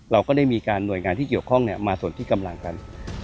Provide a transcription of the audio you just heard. เราก็ได้มีการหน่วยงานที่เกี่ยวข้องมาส่วนที่กำลังกัน